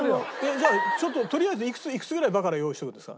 じゃあちょっととりあえずいくつぐらいバカラ用意しておくんですか？